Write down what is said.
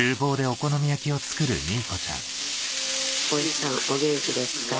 お元気ですか？